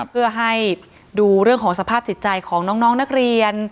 เพื่อให้ดูเรื่องของสภาพจิตใจของน้องนักเรียน